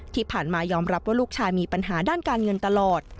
ที่ผ่านมายอมรับว่าลูกชายมีปัญหาด้านการเงินตลอด